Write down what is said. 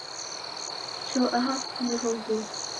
Choo aha kuniroghuo.